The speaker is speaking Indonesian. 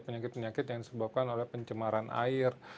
penyakit penyakit yang disebabkan oleh pencemaran air